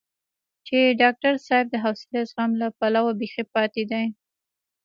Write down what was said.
چې ډاکټر صاحب د حوصلې او زغم له پلوه بېخي پاتې دی.